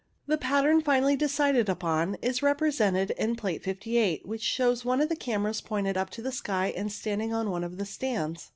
The pattern finally decided upon is represented in Plate 58, which shows one of the cameras pointed up to the sky and standing on one of the stands.